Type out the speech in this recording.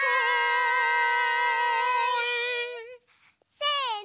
せの。